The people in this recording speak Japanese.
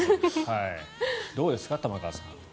どうですか、玉川さん。